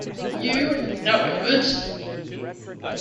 You know I would.